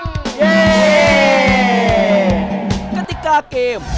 กติกาเกม